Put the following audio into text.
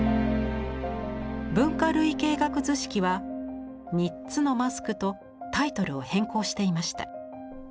「文化類型学図式」は「三つのマスク」とタイトルを変更していました。